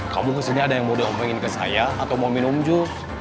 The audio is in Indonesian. kamu kesini ada yang mau diomongin ke saya atau mau minum ju